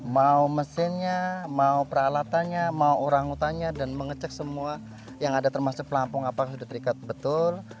mau mesinnya mau peralatannya mau orang hutannya dan mengecek semua yang ada termasuk pelampung apakah sudah terikat betul